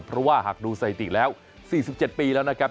เพราะว่าหากดูสถิติแล้ว๔๗ปีแล้วนะครับ